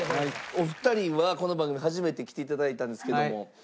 お二人はこの番組初めて来て頂いたんですけども。